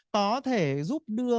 có thể giúp đưa